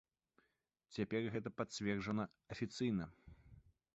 Цяпер гэта пацверджана афіцыйна.